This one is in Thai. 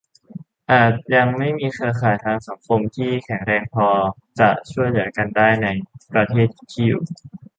อาจยังไม่มีเครือข่ายทางสังคม ที่แข็งแรงพอจะช่วยเหลือกันได้ ในประเทศที่อยู่